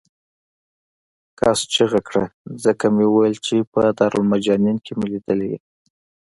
کس چغه کړه ځکه مې وویل چې په دارالمجانین کې مې لیدلی یې.